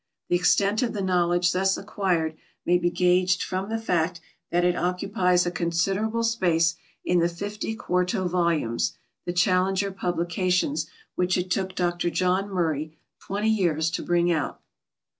The extent of the knowledge thus acquired may be gauged from the fact that it occupies a considerable space in the fifty quarto volumes — the Challenger publications — which it took Dr John Murray twenty years to bring out.